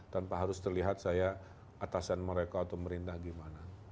tanpa harus terlihat saya atasan mereka atau merintah gimana